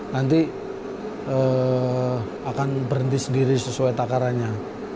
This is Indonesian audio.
nanti akan berhenti sendiri sesuai takarannya